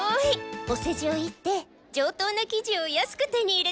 おせじを言って上等な生地を安く手に入れちゃった。